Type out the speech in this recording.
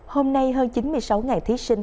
hôm nay hơn chín mươi sáu ngày thí sinh